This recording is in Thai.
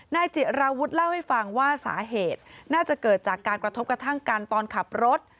นายจิราวุฒิเล่าให้ฟังว่าสาเหตุน่าจะเกิดจากการกระทบกระทั่งกันตอนขับรถ